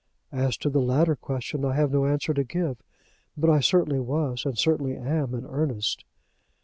"As to the latter question, I have no answer to give; but I certainly was, and certainly am in earnest."